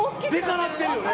でかなってるよね？